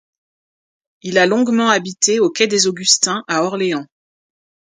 Il a longuement habité au quai des Augustins à Orléans.